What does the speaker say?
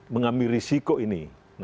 mengambil risiko ini